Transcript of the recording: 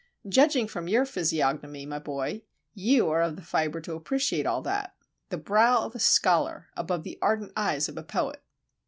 Judging from your physiognomy, my boy, you are of the fibre to appreciate all that. The brow of a scholar, above the ardent eyes of a poet!"